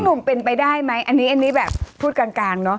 นุ่มเป็นไปได้ไหมอันนี้แบบพูดกลางเนาะ